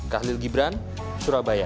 kah lil gibran surabaya